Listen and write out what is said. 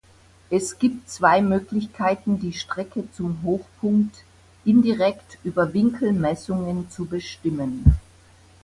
Es gibt zwei Möglichkeiten die Strecke zum Hochpunkt indirekt über Winkelmessungen zu bestimmen.